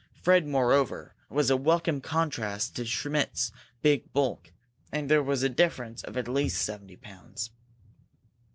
Fred, moreover, was a welcome contrast to Schmidt's big bulk; there was a difference of at least seventy pounds.